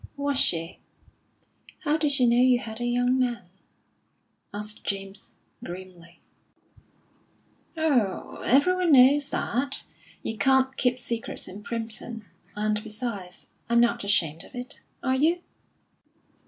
"Was she? How did she know you had a young man?" asked James, grimly. "Oh, everyone knows that! You can't keep secrets in Primpton. And besides, I'm not ashamed of it. Are you?"